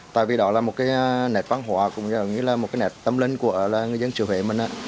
tại vì đó là một cái nét văn hóa cũng như là một cái nét tâm linh của người dân xứ huế mình á